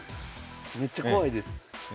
めっちゃ怖いです。